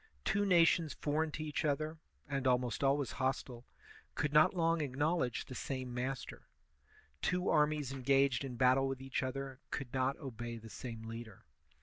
Two nations foreign to each other, and almost always hostile, could not long acknowledge the same master; two armies engaged in battle with each other could not obey the same leader.